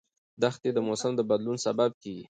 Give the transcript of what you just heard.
دښتې د موسم د بدلون سبب کېږي.